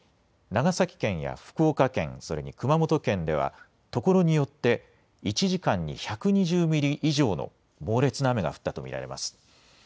長崎県や福岡県、それに熊本県ではところによって１時間に１２０ミリ以上の猛烈な雨が降ったと見られます。